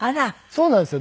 そうなんですよ。